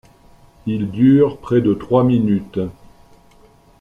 Il dure près de trois minutes.